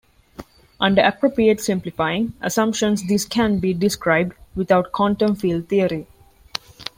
Under appropriate simplifying assumptions this can be described without quantum field theory.